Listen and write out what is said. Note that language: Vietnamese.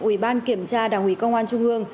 ủy ban kiểm tra đảng ủy công an trung ương